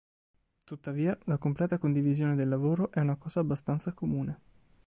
Tuttavia, la completa condivisione del lavoro è una cosa abbastanza comune.